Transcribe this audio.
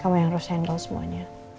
sama yang harus handle semuanya